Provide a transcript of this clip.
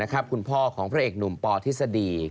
คุณพ่อของพระเอกหนุ่มปทฤษฎี